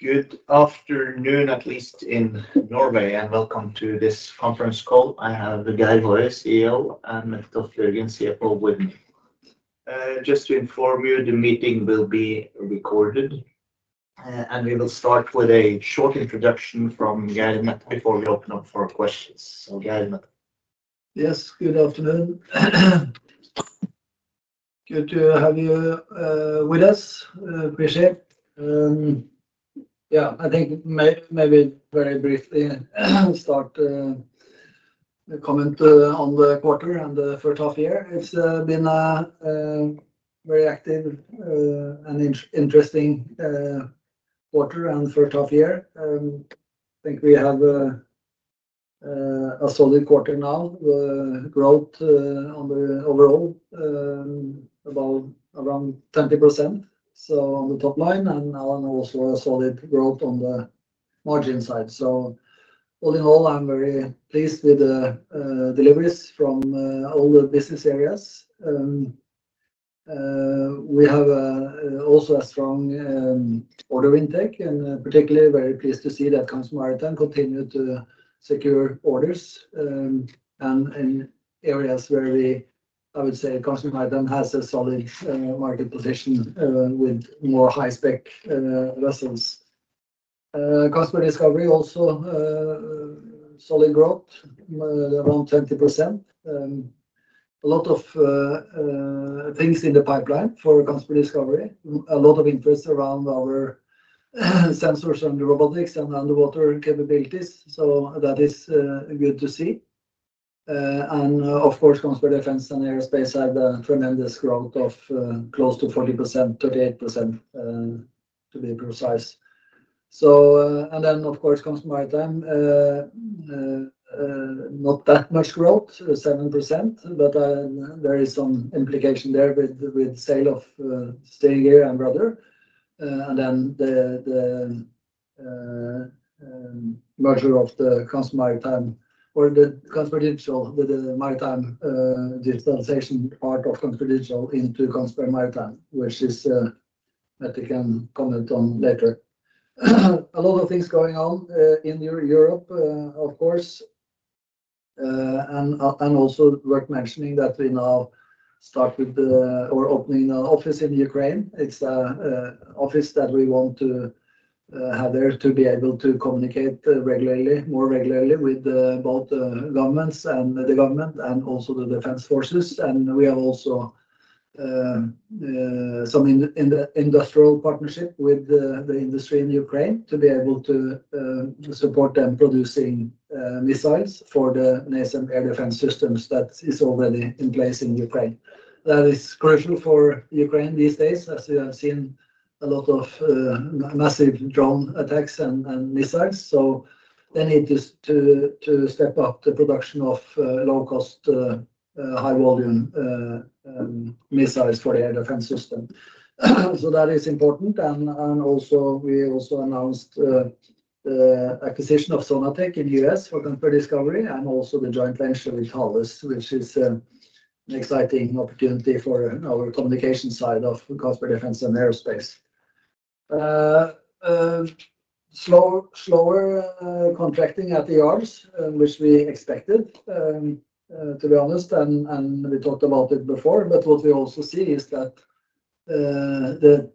Good afternoon, at least in Norway, and welcome to this conference call. I have Geir Håøy, CEO, and Mette Toft Bjørgen, CFO, with me. Just to inform you, the meeting will be recorded. We will start with a short introduction from Geir Mette before we open up for questions. Geir and Mette. Yes, good afternoon. Good to have you with us. Appreciate it. Yeah, I think maybe very briefly start. Comment on the quarter and the first half year. It's been very active and interesting. Quarter and first half year. I think we have a solid quarter now. Growth overall around 20%. On the top line, and also a solid growth on the margin side. All in all, I'm very pleased with the deliveries from all the business areas. We have also a strong order intake, and particularly very pleased to see that Kongsberg Maritime continues to secure orders. In areas where we, I would say, Kongsberg Maritime has a solid market position with more high-spec vessels. Kongsberg Discovery also solid growth, around 20%. A lot of things in the pipeline for Kongsberg Discovery, a lot of interest around our sensors and robotics and underwater capabilities. That is good to see. Of course, Kongsberg Defence & Aerospace had a tremendous growth of close to 40%, 38% to be precise. Then, of course, Kongsberg Maritime. Not that much growth, 7%, but there is some implication there with sale of Steingir and Brother. Then the merger of the Kongsberg Digital, the maritime digitalization part of Kongsberg Digital into Kongsberg Maritime, which Mette can comment on later. A lot of things going on in Europe, of course. Also worth mentioning that we now start with or are opening an office in Ukraine. It is an office that we want to have there to be able to communicate regularly, more regularly with both governments and the government and also the defense forces. We have also some industrial partnership with the industry in Ukraine to be able to. Support them producing missiles for the NASAMS Air Defense Systems that are already in place in Ukraine. That is crucial for Ukraine these days, as you have seen a lot of massive drone attacks and missiles. They need to step up the production of low-cost, high-volume missiles for the air defense system. That is important. We also announced the acquisition of Sonatech in the U.S. for Kongsberg Discovery and also the joint venture with Thales, which is an exciting opportunity for our communication side of Kongsberg Defence & Aerospace. Slower contracting at the yards, which we expected, to be honest, and we talked about it before, but what we also see is that the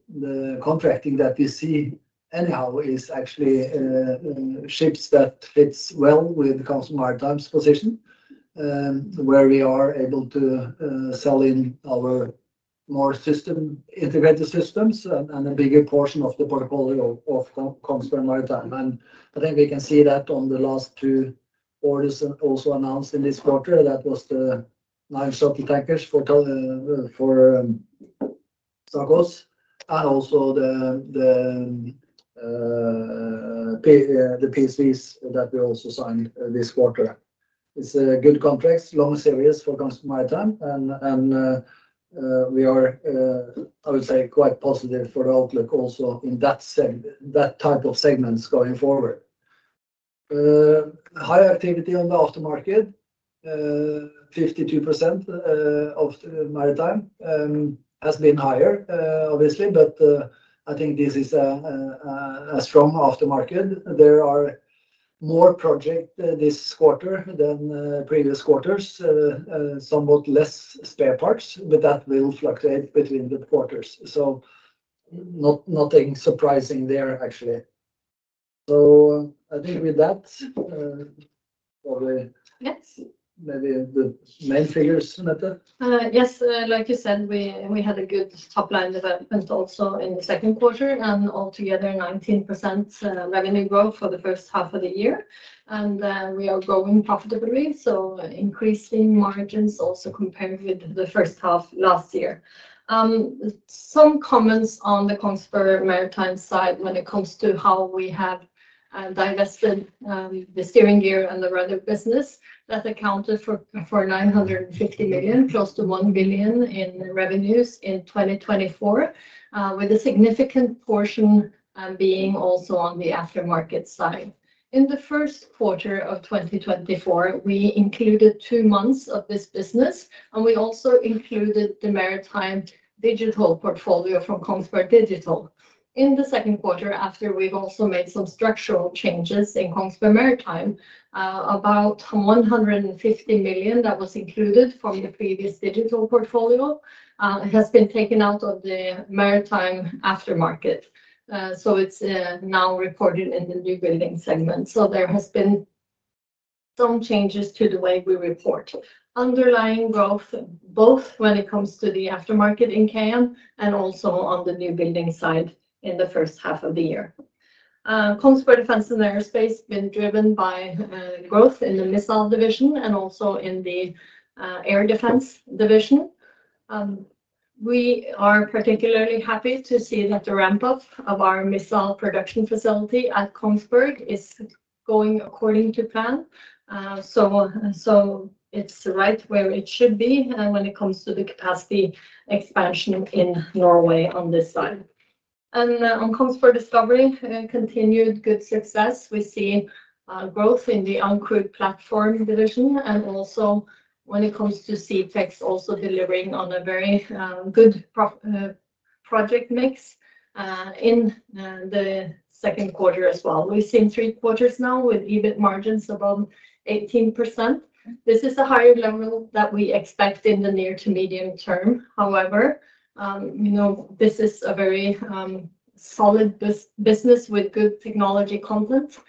contracting that we see anyhow is actually ships that fit well with Kongsberg Maritime's position. Where we are able to sell in our more integrated systems and a bigger portion of the portfolio of Kongsberg Maritime. I think we can see that on the last two orders also announced in this quarter. That was the nine shuttle tankers for Tsakos, and also the PCs that we also signed this quarter. It is a good contract, long series for Kongsberg Maritime. I would say we are quite positive for the outlook also in that type of segments going forward. High activity on the aftermarket. 52% of Maritime. Has been higher, obviously, but I think this is a strong aftermarket. There are more projects this quarter than previous quarters, somewhat less spare parts, but that will fluctuate between the quarters. Nothing surprising there, actually. I think with that, probably, maybe the main figures, Mette. Yes, like you said, we had a good top-line development also in the second quarter and altogether 19% revenue growth for the first half of the year. We are growing profitably, so increasing margins also compared with the first half last year. Some comments on the Kongsberg Maritime side when it comes to how we have divested the steering gear and the rudder business. That accounted for 950 million, close to 1 billion in revenues in 2024, with a significant portion being also on the aftermarket side. In the first quarter of 2024, we included two months of this business, and we also included the Maritime Digital portfolio from Kongsberg Digital. In the second quarter, after we have also made some structural changes in Kongsberg Maritime, about 150 million that was included from the previous digital portfolio has been taken out of the maritime aftermarket. It is now reported in the new building segment. There have been some changes to the way we report. Underlying growth, both when it comes to the aftermarket in Kongsberg and also on the new building side in the first half of the year. Consumer Defence and Aerospace has been driven by growth in the missile division and also in the air defense division. We are particularly happy to see that the ramp-up of our missile production facility at Kongsberg is going according to plan. It is right where it should be when it comes to the capacity expansion in Norway on this side. On Consumer Discovery, continued good success. We see growth in the uncrewed platform division and also when it comes to sea techs, also delivering on a very good project mix in the second quarter as well. We've seen three quarters now with EBIT margins above 18%. This is a higher level that we expect in the near to medium term. However, this is a very solid business with good technology content.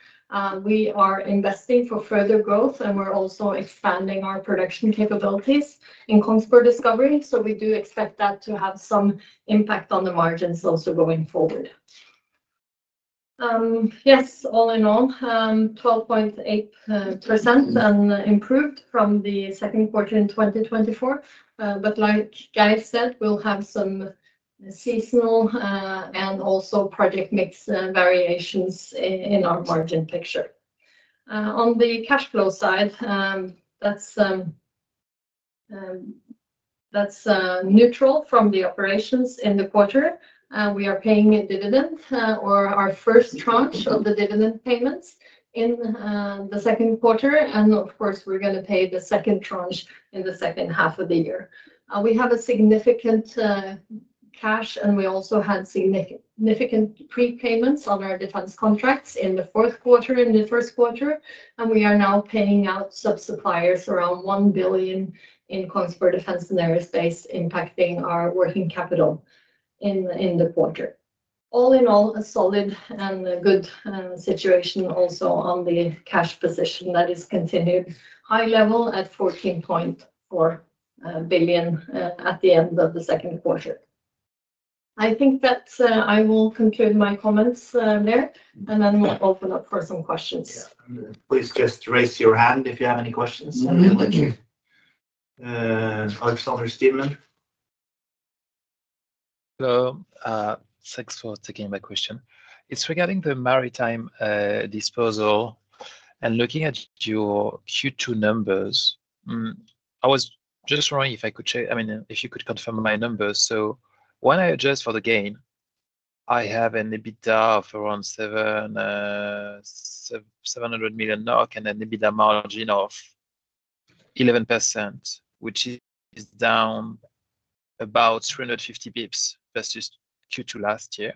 We are investing for further growth, and we're also expanding our production capabilities in Consumer Discovery. We do expect that to have some impact on the margins also going forward. Yes, all in all, 12.8% and improved from the second quarter in 2024. Like Geir said, we'll have some seasonal and also project mix variations in our margin picture. On the cash flow side, that's neutral from the operations in the quarter. We are paying a dividend or our first tranche of the dividend payments in the second quarter. Of course, we're going to pay the second tranche in the second half of the year. We have a significant. Cash, and we also had significant prepayments on our defense contracts in the fourth quarter and the first quarter. We are now paying out subsuppliers around 1 billion in Kongsberg Defence & Aerospace, impacting our working capital in the quarter. All in all, a solid and good situation also on the cash position that is continued high level at 14.4 billion at the end of the second quarter. I think that I will conclude my comments there, and then we'll open up for some questions. Please just raise your hand if you have any questions. Yeah. Alexandre Steedman. Hello. Thanks for taking my question. It's regarding the maritime disposal. And looking at your Q2 numbers. I was just wondering if I could check, I mean, if you could confirm my numbers. So when I adjust for the gain, I have an EBITDA of around 700 million NOK and an EBITDA margin of 11%, which is down about 350 basis points versus Q2 last year.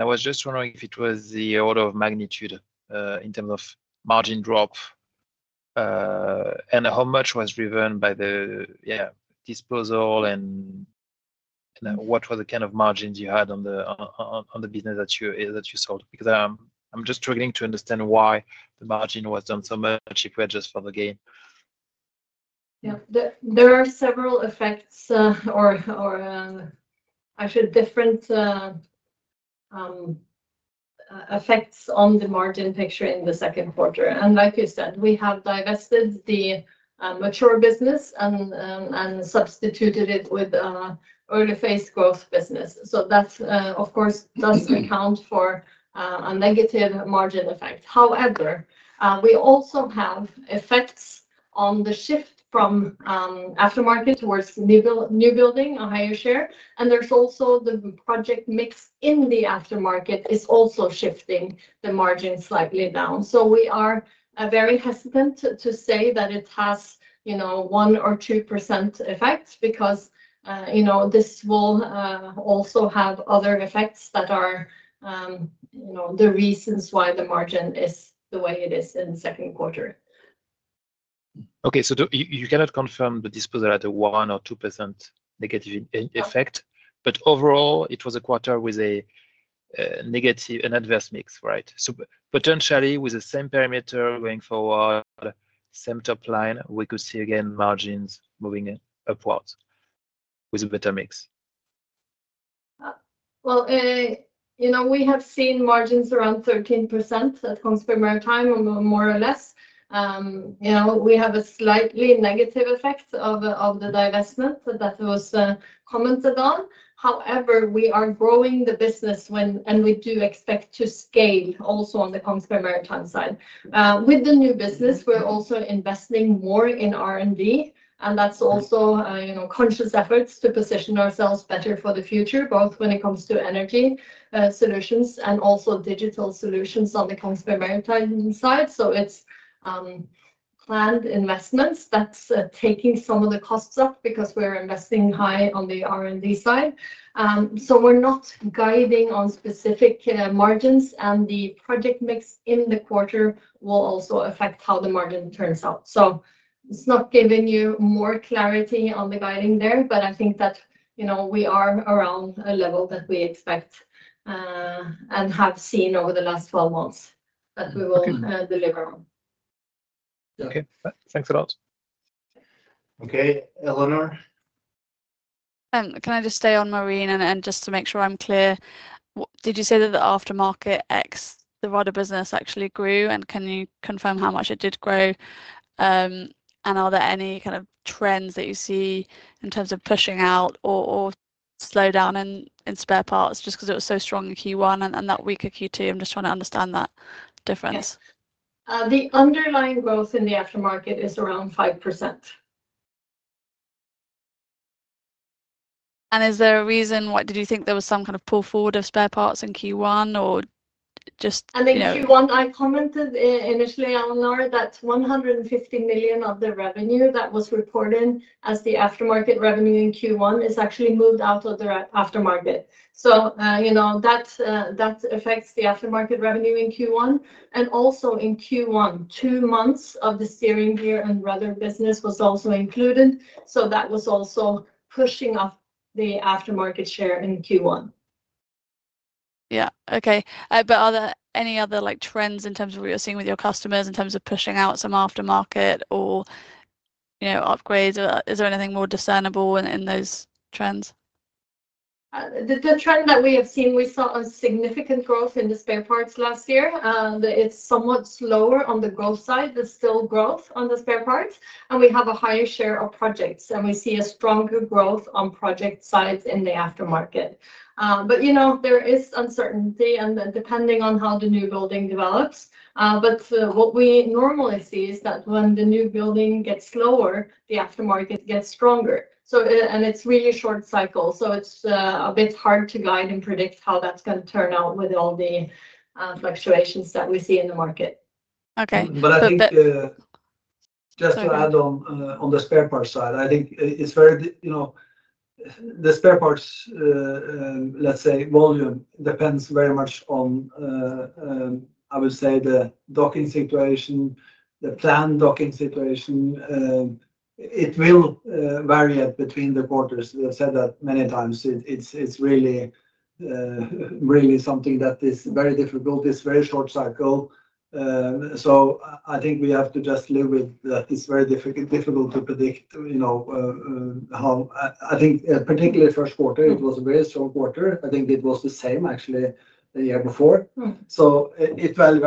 I was just wondering if it was the order of magnitude in terms of margin drop. And how much was driven by the, yeah, disposal and what were the kind of margins you had on the business that you sold. Because I'm just struggling to understand why the margin was down so much if we adjust for the gain. Yeah. There are several effects, or I should, different effects on the margin picture in the second quarter. Like you said, we have divested the mature business and substituted it with early phase growth business. That, of course, does account for a negative margin effect. However, we also have effects on the shift from aftermarket towards new building, a higher share. The project mix in the aftermarket is also shifting the margin slightly down. We are very hesitant to say that it has 1% or 2% effect because this will also have other effects that are the reasons why the margin is the way it is in the second quarter. Okay, so you cannot confirm the disposal at a 1% or 2% negative effect, but overall, it was a quarter with a negative and adverse mix, right? So potentially with the same parameter going forward. Same top line, we could see again margins moving upwards with a better mix. We have seen margins around 13% at Consumer Maritime or more or less. We have a slightly negative effect of the divestment that was commented on. However, we are growing the business, and we do expect to scale also on the Consumer Maritime side. With the new business, we're also investing more in R&D, and that's also conscious efforts to position ourselves better for the future, both when it comes to energy solutions and also digital solutions on the Consumer Maritime side. It is planned investments that are taking some of the costs up because we're investing high on the R&D side. We are not guiding on specific margins, and the project mix in the quarter will also affect how the margin turns out. It is not giving you more clarity on the guiding there, but I think that we are around a level that we expect. We have seen over the last 12 months that we will deliver on. Okay, thanks a lot. Okay, Eleanor. Can I just stay on, Matte, and just to make sure I'm clear? Did you say that the aftermarket, the rudder business, actually grew? Can you confirm how much it did grow? Are there any kind of trends that you see in terms of pushing out or slow down in spare parts just because it was so strong in Q1 and that weaker Q2? I'm just trying to understand that difference. The underlying growth in the aftermarket is around 5%. Is there a reason? Did you think there was some kind of pull forward of spare parts in Q1, or just. I think Q1, I commented initially, Eleanor, that 150 million of the revenue that was reported as the aftermarket revenue in Q1 is actually moved out of the aftermarket. That affects the aftermarket revenue in Q1. Also in Q1, two months of the steering gear and rudder business was also included. That was also pushing up the aftermarket share in Q1. Yeah, okay. Are there any other trends in terms of what you're seeing with your customers in terms of pushing out some aftermarket or upgrades? Is there anything more discernible in those trends? The trend that we have seen, we saw a significant growth in the spare parts last year. It's somewhat slower on the growth side, but still growth on the spare parts. We have a higher share of projects, and we see a stronger growth on project sides in the aftermarket. There is uncertainty and depending on how the new building develops. What we normally see is that when the new building gets lower, the aftermarket gets stronger. It's really short cycles. It's a bit hard to guide and predict how that's going to turn out with all the fluctuations that we see in the market. Okay. I think, just to add on the spare parts side, I think it's very, the spare parts, let's say, volume depends very much on, I would say, the docking situation, the planned docking situation. It will vary between the quarters. We have said that many times. It's really something that is very difficult. It's very short cycle. I think we have to just live with that. It's very difficult to predict. How I think, particularly first quarter, it was a very strong quarter. I think it was the same, actually, the year before. It varied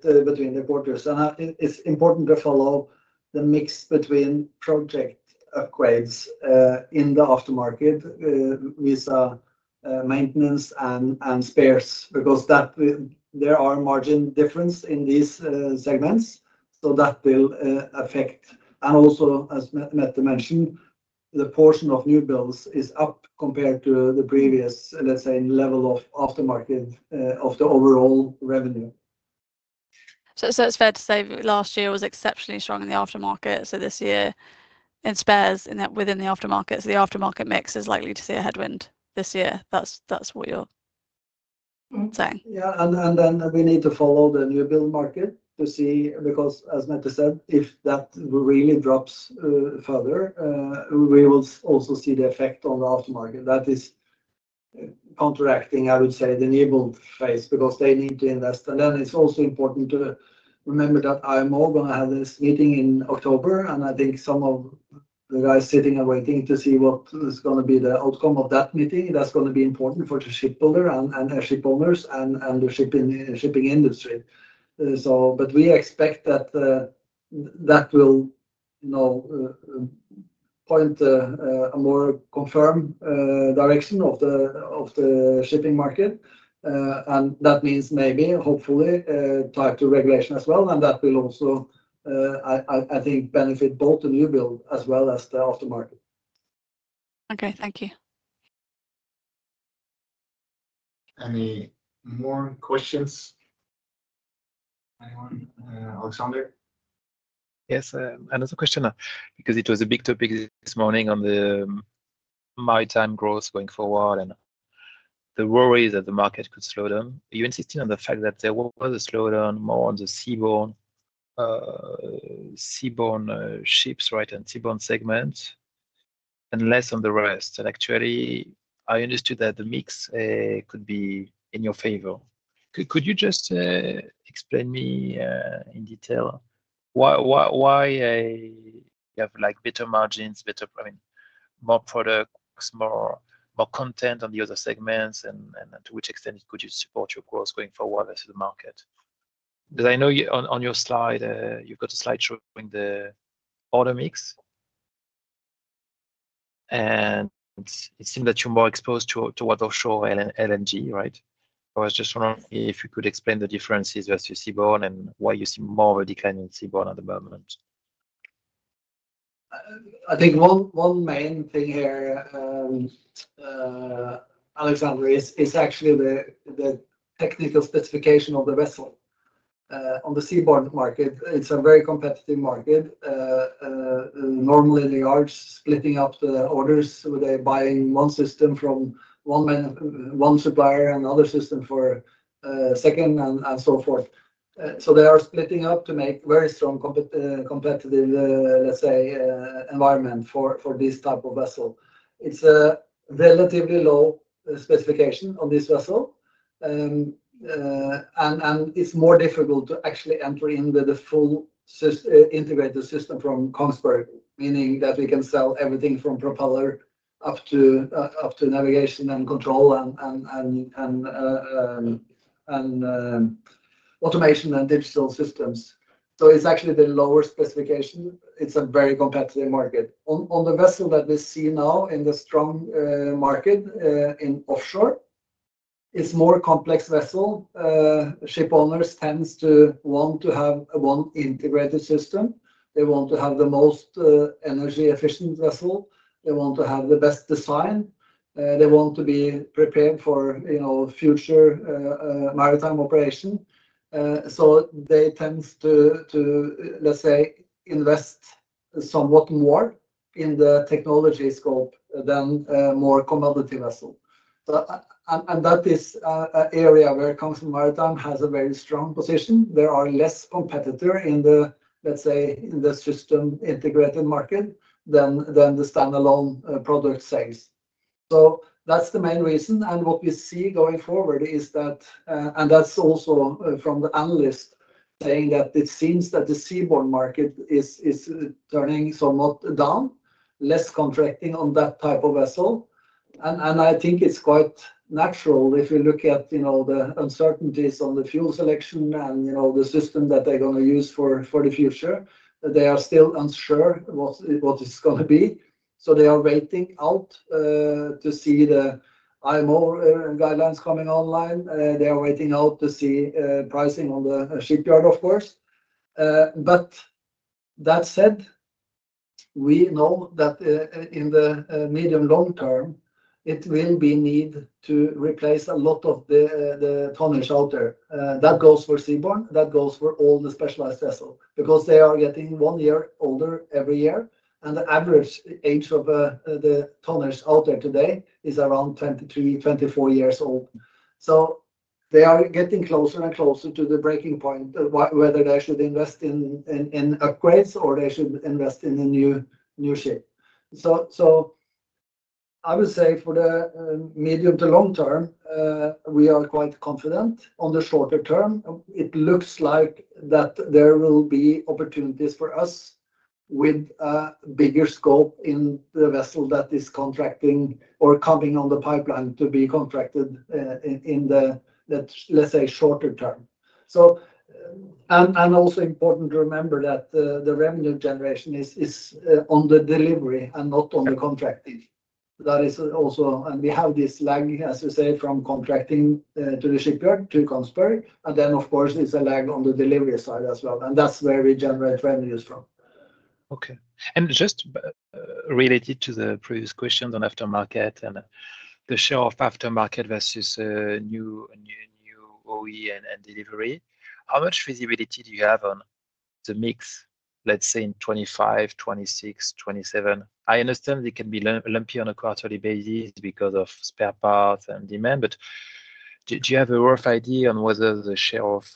between the quarters. It's important to follow the mix between project upgrades in the aftermarket versus maintenance and spares because there are margin differences in these segments. That will affect. As Mette mentioned, the portion of new builds is up compared to the previous, let's say, level of aftermarket of the overall revenue. It's fair to say last year was exceptionally strong in the aftermarket. This year in spares within the aftermarket, the aftermarket mix is likely to see a headwind this year. That's what you're saying. Yeah. We need to follow the new build market to see because, as Mette said, if that really drops further, we will also see the effect on the aftermarket. That is counteracting, I would say, the new build phase because they need to invest. It is also important to remember that I am all going to have this meeting in October. I think some of the guys are sitting and waiting to see what is going to be the outcome of that meeting, that's going to be important for the shipbuilder and shipowners and the shipping industry. We expect that will point a more confirmed direction of the shipping market. That means maybe, hopefully, tied to regulation as well. That will also, I think, benefit both the new build as well as the aftermarket. Okay, thank you. Any more questions? Anyone? Alexandre? Yes, another question because it was a big topic this morning on the maritime growth going forward and the worries that the market could slow down. You insisted on the fact that there was a slowdown more on the seaborne ships, right, and seaborne segments, and less on the rest. Actually, I understood that the mix could be in your favor. Could you just explain to me in detail why you have better margins, better, I mean, more products, more content on the other segments, and to which extent could you support your growth going forward versus the market? Because I know on your slide, you have a slide showing the order mix, and it seems that you are more exposed towards offshore LNG, right? I was just wondering if you could explain the differences versus seaborne and why you see more of a decline in seaborne at the moment. I think one main thing here, Alexandre, is actually the technical specification of the vessel. On the seaborne market, it is a very competitive market. Normally, they are splitting up the orders where they are buying one system from one supplier and another system from a second and so forth. They are splitting up to make a very strong competitive, let's say, environment for this type of vessel. It is a relatively low specification on this vessel, and it is more difficult to actually enter into the full integrated system from Kongsberg, meaning that we can sell everything from propeller up to navigation and control and automation and digital systems. It is actually the lower specification. It is a very competitive market. On the vessel that we see now in the strong market in offshore, it is a more complex vessel. Shipowners tend to want to have one integrated system. They want to have the most. Energy-efficient vessel. They want to have the best design. They want to be prepared for future maritime operation. They tend to, let's say, invest somewhat more in the technology scope than a more commodity vessel. That is an area where Kongsberg Maritime has a very strong position. There are fewer competitors in the, let's say, in the system integrated market than the standalone product sales. That is the main reason. What we see going forward is that, and that is also from the analyst saying that it seems that the seaborne market is turning somewhat down, less contracting on that type of vessel. I think it is quite natural if you look at the uncertainties on the fuel selection and the system that they are going to use for the future, they are still unsure what it is going to be. They are waiting out. To see the IMO guidelines coming online. They are waiting out to see pricing on the shipyard, of course. That said, we know that in the medium-long term, it will be need to replace a lot of the tonnage out there. That goes for seaborne. That goes for all the specialized vessels because they are getting one year older every year. The average age of the tonnage out there today is around 23-24 years old. They are getting closer and closer to the breaking point, whether they should invest in upgrades or they should invest in a new ship. I would say for the medium to long term, we are quite confident. On the shorter term, it looks like that there will be opportunities for us. With a bigger scope in the vessel that is contracting or coming on the pipeline to be contracted in the, let's say, shorter term. It is also important to remember that the revenue generation is on the delivery and not on the contracting. That is also, and we have this lag, as we say, from contracting to the shipyard to Kongsberg. There is, of course, a lag on the delivery side as well. That is where we generate revenues from. Okay. Just related to the previous question on aftermarket and the share of aftermarket versus new OE and delivery, how much visibility do you have on the mix, let's say, in 2025, 2026, 2027? I understand it can be lumpy on a quarterly basis because of spare parts and demand. Do you have a rough idea on whether the share of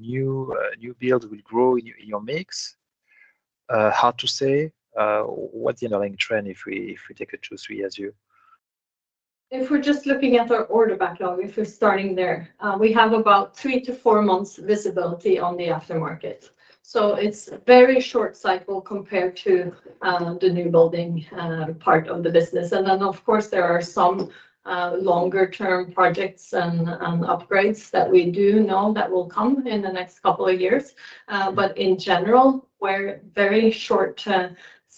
new builds will grow in your mix? Hard to say. What's the underlying trend if we take a two, three years view? If we're just looking at our order backlog, if we're starting there, we have about three to four months visibility on the aftermarket. It is a very short cycle compared to the new building part of the business. Of course, there are some longer-term projects and upgrades that we do know that will come in the next couple of years. In general, we're very short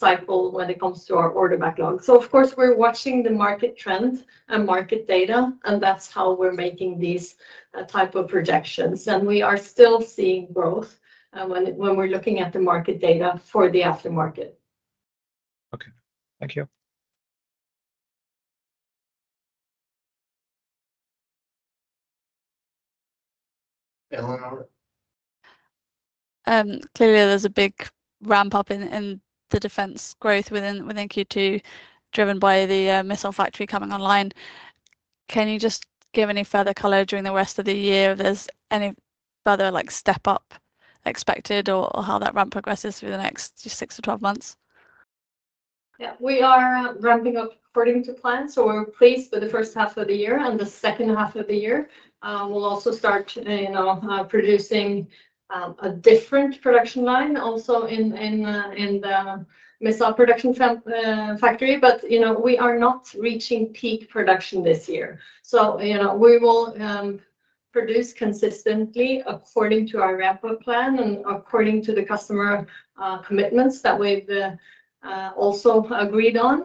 cycle when it comes to our order backlog. Of course, we're watching the market trend and market data, and that's how we're making these type of projections. We are still seeing growth when we're looking at the market data for the aftermarket. Okay. Thank you. Eleanor. Clearly, there's a big ramp-up in the defense growth within Q2 driven by the missile factory coming online. Can you just give any further color during the rest of the year? Is there any further step-up expected or how that ramp progresses through the next 6 to 12 months? Yeah. We are ramping up according to plan. We are pleased with the first half of the year and the second half of the year. We will also start producing a different production line in the missile production factory. We are not reaching peak production this year. We will produce consistently according to our ramp-up plan and according to the customer commitments that we have also agreed on.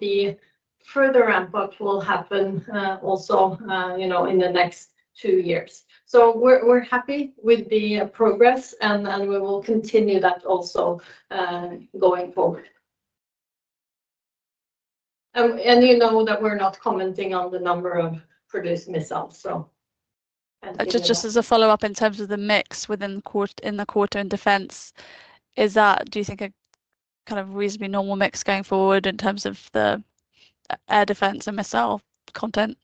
The further ramp-up will happen in the next two years. We are happy with the progress, and we will continue that going forward. You know that we are not commenting on the number of produced missiles. Just as a follow-up in terms of the mix within the quarter and defense, do you think it kind of reasonably normal mix going forward in terms of the air defense and missile content?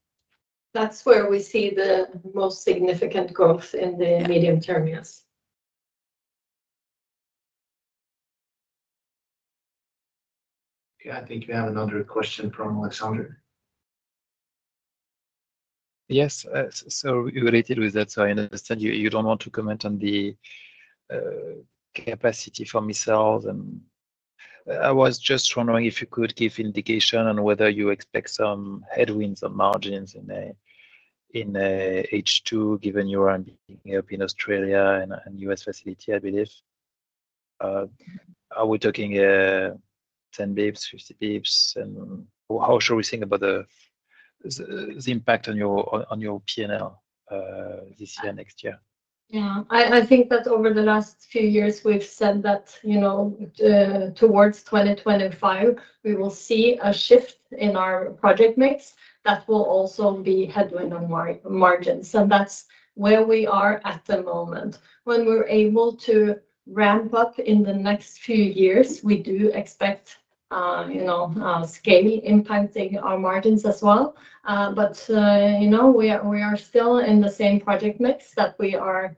That's where we see the most significant growth in the medium term, yes. Okay. I think we have another question from Alexandre. Yes. You related with that. I understand you do not want to comment on the capacity for missiles. I was just wondering if you could give indication on whether you expect some headwinds on margins in H2, given you are in Australia and U.S. facility, I believe. Are we talking 10 basis points, 50 basis points? How should we think about the impact on your P&L this year and next year? Yeah. I think that over the last few years, we've said that. Towards 2025, we will see a shift in our project mix. That will also be headwind on margins. That's where we are at the moment. When we're able to ramp up in the next few years, we do expect scale impacting our margins as well. We are still in the same project mix that we are,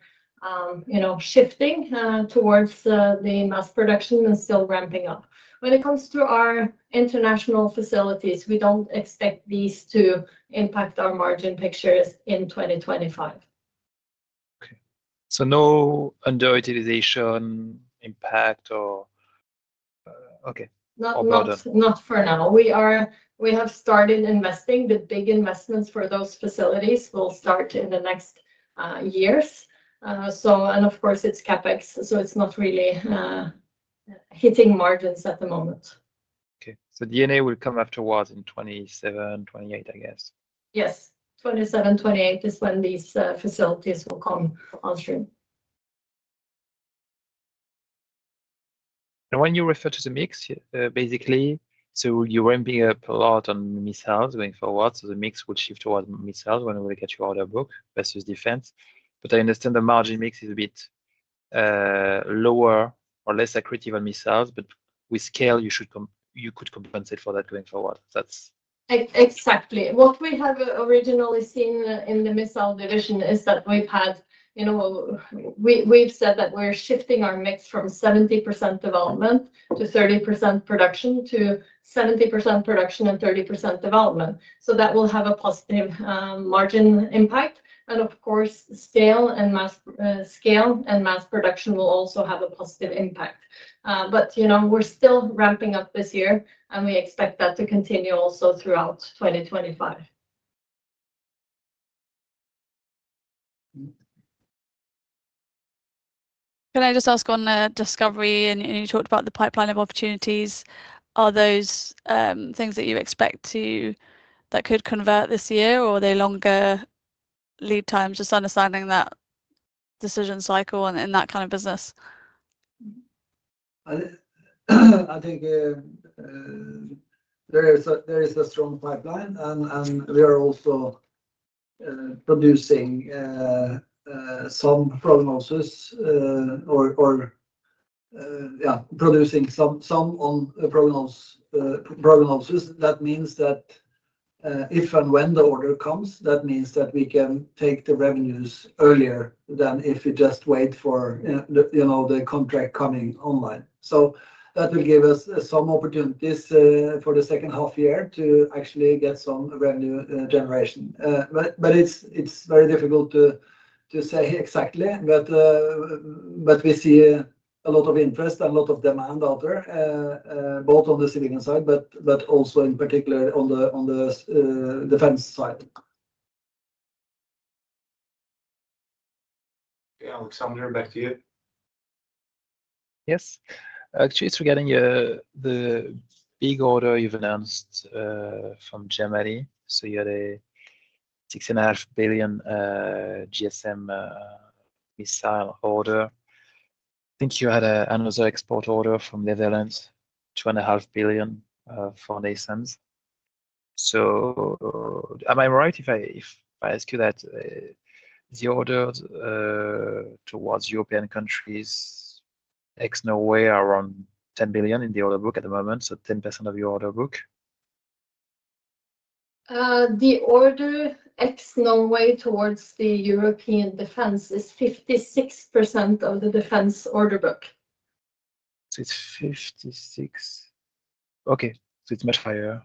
shifting towards the mass production and still ramping up. When it comes to our international facilities, we don't expect these to impact our margin pictures in 2025. Okay. So no underutilization impact or okay. Not for now. We have started investing. The big investments for those facilities will start in the next years. Of course, it's CapEx. It's not really hitting margins at the moment. Okay. So DNA will come afterwards in 2027, 2028, I guess. Yes. 2027, 2028 is when these facilities will come on stream. When you refer to the mix, basically, you're ramping up a lot on missiles going forward. The mix will shift towards missiles when we get your order book versus defense. I understand the margin mix is a bit lower or less accretive on missiles, but with scale, you could compensate for that going forward. That's. Exactly. What we have originally seen in the missile division is that we've had. We've said that we're shifting our mix from 70% development to 30% production to 70% production and 30% development. That will have a positive margin impact. Of course, scale and mass production will also have a positive impact. We're still ramping up this year, and we expect that to continue also throughout 2025. Can I just ask on Discovery? You talked about the pipeline of opportunities. Are those things that you expect that could convert this year, or are they longer lead times? Just understanding that decision cycle and that kind of business. I think there is a strong pipeline, and we are also producing some prognosis. That means that if and when the order comes, that means that we can take the revenues earlier than if we just wait for the contract coming online. That will give us some opportunities for the second half year to actually get some revenue generation. It is very difficult to say exactly. We see a lot of interest and a lot of demand out there, both on the civilian side, but also in particular on the defense side. Okay. Alexandre, back to you. Yes. Actually, it's regarding the big order you've announced from Germany. You had a 6.5 billion GSM missile order. I think you had another export order from Netherlands, 2.5 billion for NASAMS. Am I right if I ask you that the order towards European countries ex-Norway, around 10 billion in the order book at the moment, so 10% of your order book? The order ex-Norway towards the European defense is 56% of the defense order book. It is 56%. Okay. It is much higher.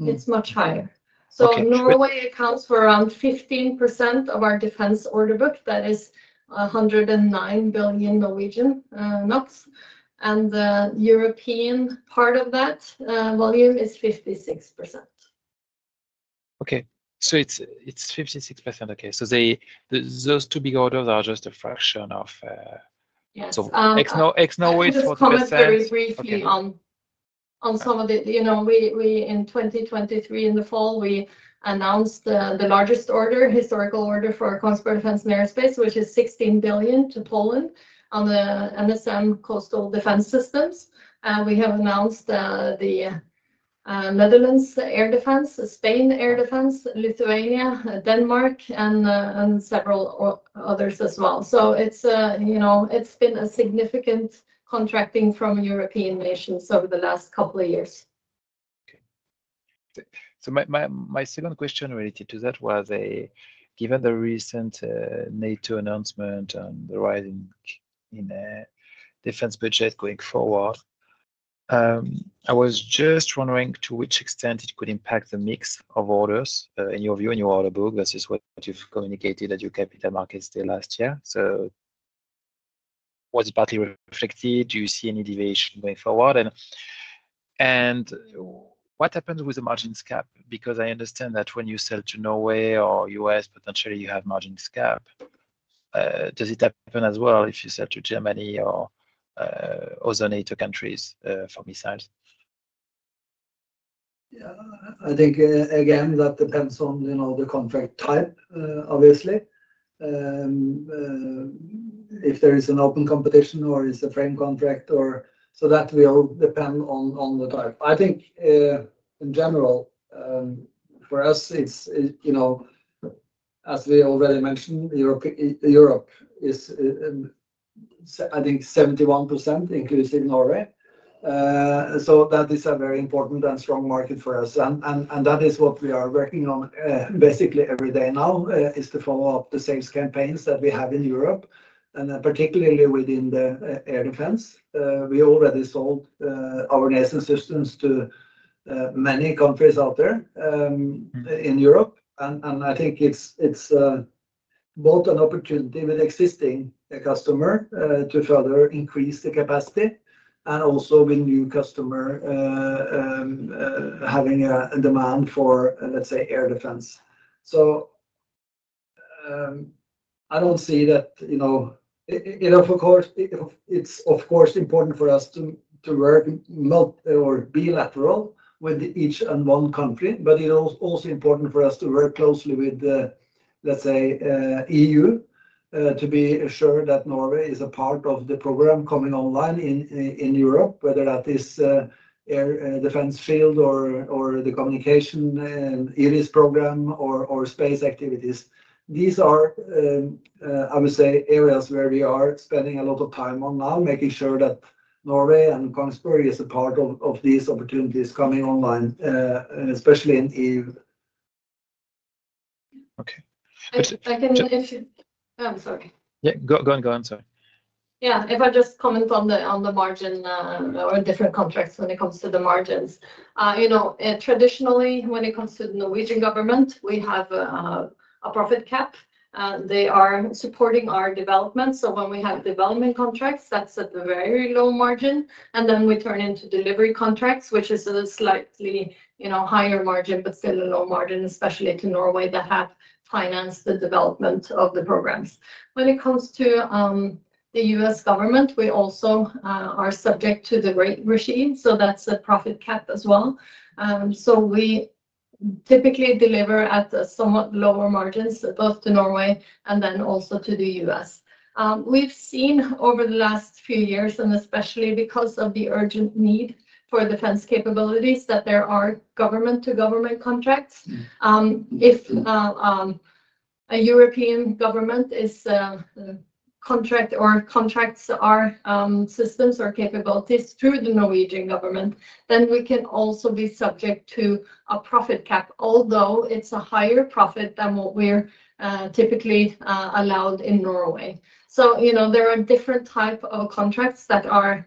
It's much higher. Norway accounts for around 15% of our defense order book. That is 109 billion. The European part of that volume is 56%. Okay. So it's 56%. Okay. So those two big orders are just a fraction of. So ex-Norway is 4%. Let's talk very briefly on. Some of the. In 2023, in the fall, we announced the largest order, historical order for Kongsberg Defence & Aerospace, which is 16 billion to Poland on the NSM coastal defense systems. We have announced the. Netherlands air defense, Spain air defense, Lithuania, Denmark, and several others as well. It has been a significant contracting from European nations over the last couple of years. Okay. My second question related to that was, given the recent NATO announcement and the rise in defense budget going forward. I was just wondering to which extent it could impact the mix of orders in your view, in your order book versus what you've communicated at your capital markets day last year. Was it partly reflected? Do you see any deviation going forward? What happens with the margin scope? Because I understand that when you sell to Norway or U.S., potentially you have margin scope. Does it happen as well if you sell to Germany or other NATO countries for missiles? Yeah. I think, again, that depends on the contract type, obviously. If there is an open competition or it's a frame contract, that will depend on the type. I think in general, for us, as we already mentioned, Europe is, I think, 71%, including Norway. That is a very important and strong market for us. That is what we are working on basically every day now, to follow up the sales campaigns that we have in Europe, and particularly within the air defense. We already sold our NASAMS systems to many countries out there in Europe. I think it's both an opportunity with existing customers to further increase the capacity and also with new customers having a demand for, let's say, air defense. I don't see that. Of course, it's important for us to work. Bilateral with each and one country, but it's also important for us to work closely with, let's say, EU to be sure that Norway is a part of the program coming online in Europe, whether that is air defense field or the communication IRIS program or space activities. These are, I would say, areas where we are spending a lot of time on now, making sure that Norway and Kongsberg is a part of these opportunities coming online, especially in EU. Okay. I can, if I'm sorry. Yeah. Go on, go on. Sorry. Yeah. If I just comment on the margin or different contracts when it comes to the margins. Traditionally, when it comes to the Norwegian government, we have a profit cap, and they are supporting our development. So when we have development contracts, that's at a very low margin. And then we turn into delivery contracts, which is a slightly higher margin but still a low margin, especially to Norway that have financed the development of the programs. When it comes to the U.S. government, we also are subject to the rate regime. So that's a profit cap as well. We typically deliver at somewhat lower margins both to Norway and then also to the U.S. We've seen over the last few years, and especially because of the urgent need for defense capabilities, that there are government-to-government contracts. If a European government is. Contract or contracts our systems or capabilities through the Norwegian government, then we can also be subject to a profit cap, although it's a higher profit than what we're typically allowed in Norway. There are different types of contracts that are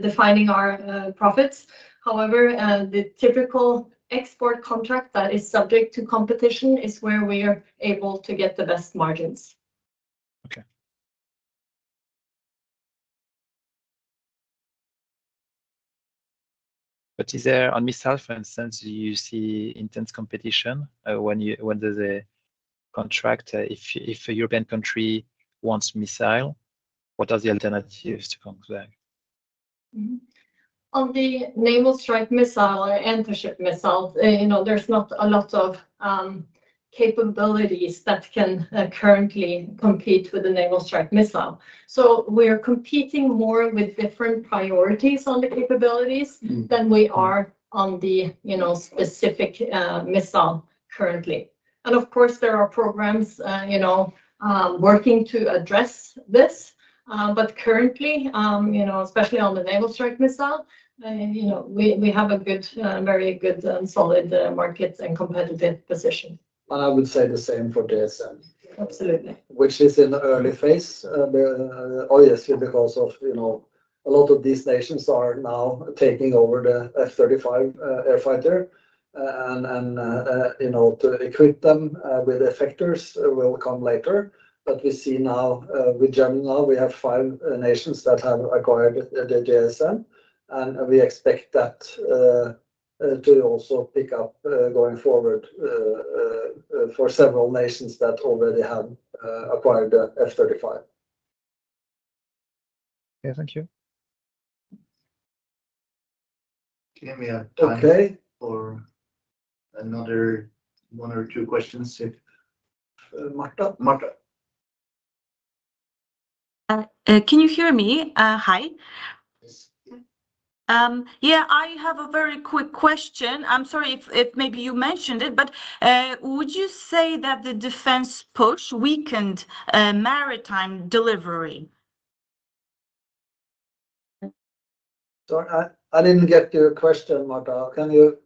defining our profits. However, the typical export contract that is subject to competition is where we are able to get the best margins. Okay. Is there, on missile for instance, do you see intense competition? When does a contract, if a European country wants a missile, what are the alternatives to Kongsberg? On the Naval Strike Missile or anti-ship missile, there's not a lot of capabilities that can currently compete with the Naval Strike Missile. We're competing more with different priorities on the capabilities than we are on the specific missile currently. Of course, there are programs working to address this. Currently, especially on the Naval Strike Missile, we have a very good and solid market and competitive position. I would say the same for JSM. Absolutely. Which is in the early phase. Oh, yes, because a lot of these nations are now taking over the F-35 air fighter. To equip them with effectors will come later. We see now with Germany, we have five nations that have acquired the DSM. We expect that to also pick up going forward for several nations that already have acquired the F-35. Okay. Thank you. Okay. We have time for another one or two questions. Marta. Marta. Can you hear me? Hi. Yes. Yeah. I have a very quick question. I'm sorry if maybe you mentioned it, but would you say that the defense push weakened maritime delivery? Sorry, I didn't get your question, Marta. Can you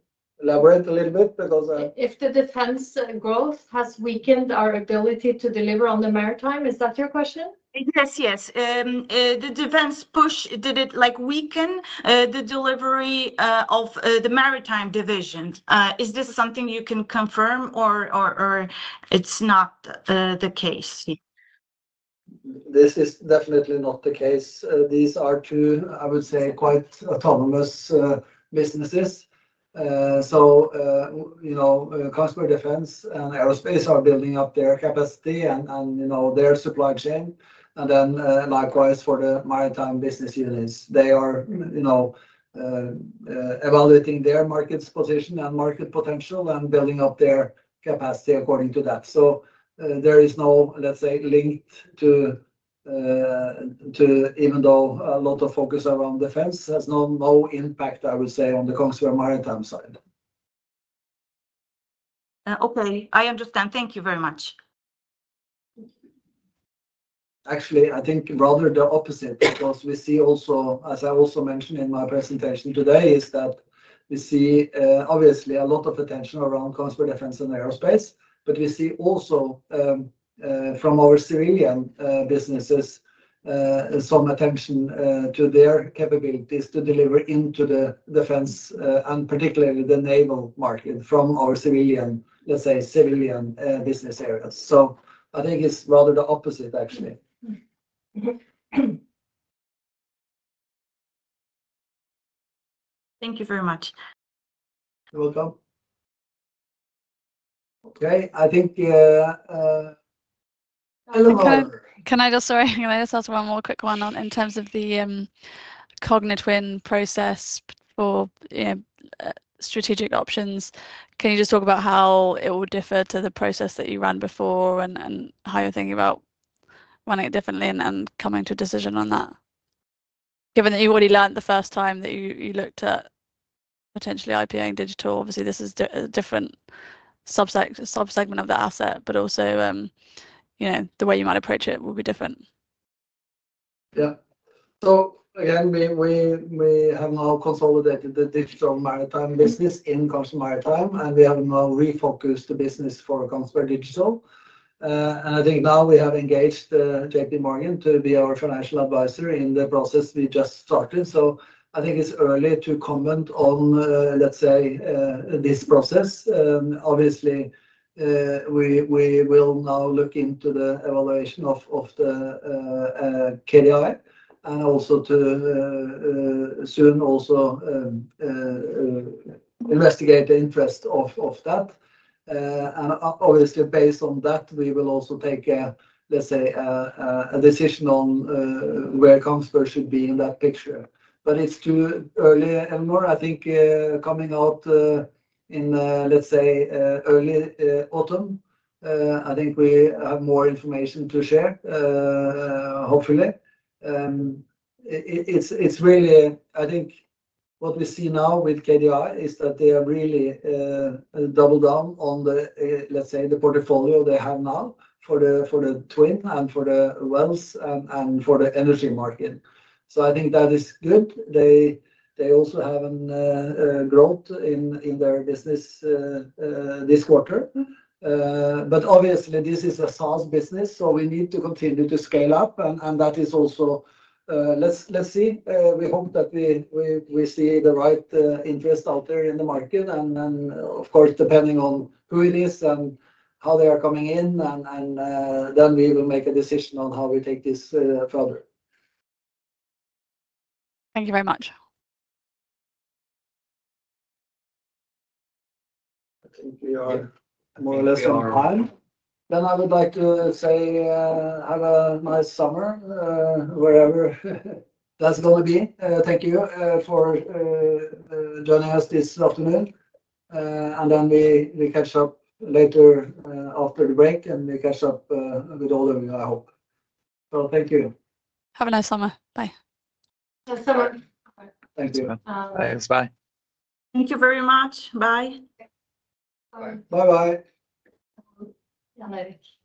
elaborate a little bit? If the defense growth has weakened our ability to deliver on the maritime, is that your question? Yes, yes. The defense push, did it weaken the delivery of the maritime division? Is this something you can confirm, or is it not the case? This is definitely not the case. These are two, I would say, quite autonomous businesses. Kongsberg Defence & Aerospace are building up their capacity and their supply chain. Likewise, for the maritime business units, they are evaluating their market's position and market potential and building up their capacity according to that. There is no, let's say, link to—even though a lot of focus around defense has no impact, I would say, on the Kongsberg Maritime side. Okay. I understand. Thank you very much. Actually, I think rather the opposite because we see also, as I also mentioned in my presentation today, is that we see obviously a lot of attention around Kongsberg Defence & Aerospace, but we see also from our civilian businesses some attention to their capabilities to deliver into the defense and particularly the naval market from our civilian, let's say, civilian business areas. I think it's rather the opposite, actually. Thank you very much. You're welcome. Okay. I think. Can I just—sorry, can I just ask one more quick one in terms of the cognitive win process for strategic options? Can you just talk about how it will differ to the process that you ran before and how you're thinking about running it differently and coming to a decision on that? Given that you already learned the first time that you looked at potentially IPA and digital, obviously, this is a different subsegment of the asset, but also the way you might approach it will be different. Yeah. Again, we have now consolidated the digital maritime business in Kongsberg Maritime, and we have now refocused the business for Kongsberg Digital. I think now we have engaged JPMorgan to be our financial advisor in the process we just started. I think it's early to comment on, let's say, this process. Obviously, we will now look into the evaluation of KDI and also to soon also investigate the interest of that. Obviously, based on that, we will also take, let's say, a decision on where Kongsberg should be in that picture. It's too early anymore. I think coming out in, let's say, early autumn, I think we have more information to share, hopefully. It's really, I think, what we see now with KDI is that they have really. Doubled down on, let's say, the portfolio they have now for the twin and for the wells and for the energy market. I think that is good. They also have a growth in their business this quarter. Obviously, this is a SaaS business, so we need to continue to scale up. That is also, let's see, we hope that we see the right interest out there in the market. Of course, depending on who it is and how they are coming in, then we will make a decision on how we take this further. Thank you very much. I think we are more or less on time. I would like to say have a nice summer, wherever that's going to be. Thank you for joining us this afternoon. We catch up later after the break, and we catch up with all of you, I hope. Thank you. Have a nice summer. Bye. Thank you. Thanks. Bye. Thank you very much. Bye. Bye-bye.